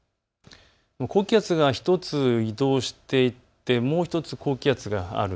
高気圧が１つ移動していって、もう１つ高気圧がある。